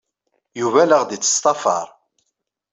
Yuba la aɣ-d-yettḍafar.